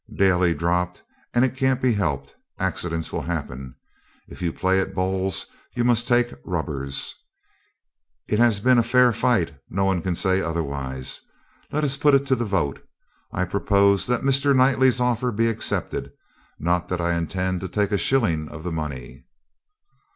'Daly dropped, and it can't be helped. Accidents will happen. If you play at bowls you must take rubbers. It has been a fair fight; no one can say otherwise. Let us put it to the vote. I propose that Mr. Knightley's offer be accepted. Not that I intend to take a shilling of the money.'